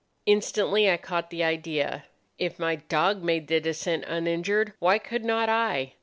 "Instantly I caught the idea. If my dog made the descent uninjured, why could not I?